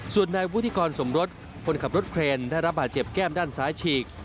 ส่วนนายวุฒิกรสมรสคนขับรถเครนได้รับบาดเจ็บแก้มด้านซ้ายฉีก